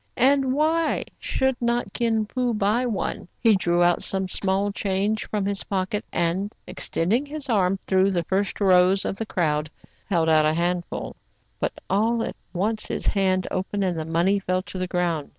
And why should not Kin Fo buy one.^ He drew out some small change from his pocket, and, ex tending his arm through the first rows of the crowd, held out a handful ; but all at once his hand opened, and the money fell to the ground.